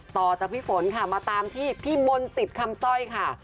ต่อจากพี่ฝนค่ะมาตามที่พี่มนต์สิทธิ์คำสร้อยค่ะ